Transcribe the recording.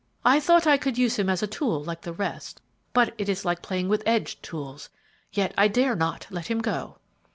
I thought I could use him as a tool like the rest; but it is like playing with edged tools; yet I dare not let him go."